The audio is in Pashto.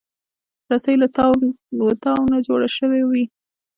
رسۍ له تاو تاو نه جوړه شوې وي.